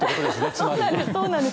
そうなんです。